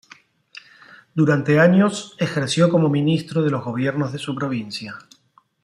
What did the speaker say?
Durante años ejerció como ministro de los gobiernos de su provincia.